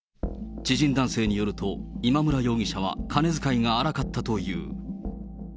知人男性によると、今村容疑者は金遣いが荒かったという。